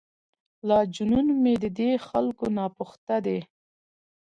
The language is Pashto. لا جنون مې ددې خلکو ناپخته دی.